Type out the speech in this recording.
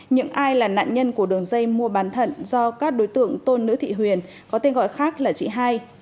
những ai là nạn nhân của đường dây mua bán thận do các đối tượng tôn nữ thị huyền có tên gọi khác là chị hai